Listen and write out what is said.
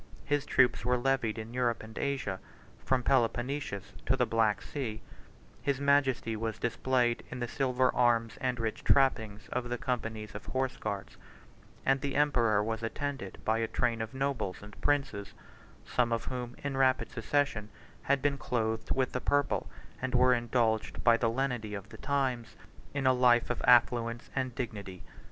His troops were levied in Europe and Asia, from Peloponnesus to the Black Sea; his majesty was displayed in the silver arms and rich trappings of the companies of Horse guards; and the emperor was attended by a train of nobles and princes, some of whom, in rapid succession, had been clothed with the purple, and were indulged by the lenity of the times in a life of affluence and dignity.